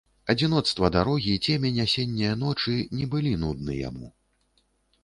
Адзіноцтва дарогі, цемень асенняе ночы не былі нудны яму.